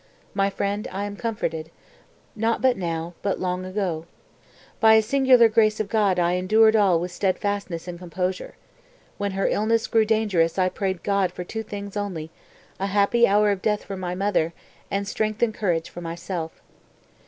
My friend, I am comforted, not but now, but long ago. By a singular grace of God I endured all with steadfastness and composure. When her illness grew dangerous I prayed God for two things only, a happy hour of death for my mother, and strength and courage for myself.